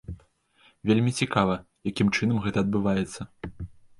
Вельмі цікава, якім чынам гэта адбываецца.